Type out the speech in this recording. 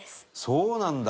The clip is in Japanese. そうなんだ。